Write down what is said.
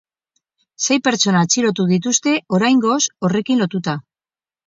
Sei pertsona atxilotu dituzte oraingoz horrekin lotuta.